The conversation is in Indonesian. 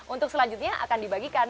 untuk selanjutnya akan dibagikan